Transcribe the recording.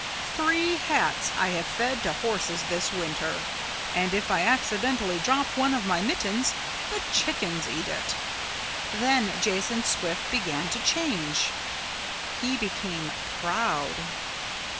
Three hats I have fed to horses this winter. "And if I accidentally drop one of my mittens the chickens eat it." Then Jason Squiff began to change. He became proud.